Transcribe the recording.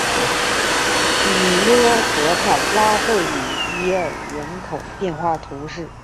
里勒河畔拉费里耶尔人口变化图示